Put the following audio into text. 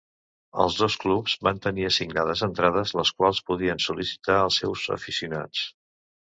Els dos clubs van tenir assignades entrades les quals podien sol·licitar els seus aficionats.